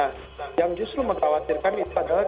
nah yang justru mengkhawatirkan itu adalah